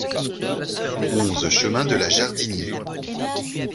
onze chemin de la Jardinie